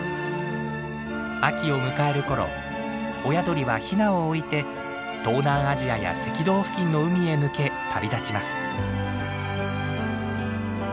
秋を迎える頃親鳥はヒナを置いて東南アジアや赤道付近の海へ向け旅立ちます。